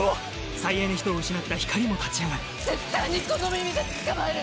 最愛の人を失ったひかりも立ち上がる絶対にこの耳で捕まえる！